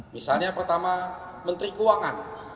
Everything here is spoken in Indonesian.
misalnya pertama menteri keuangan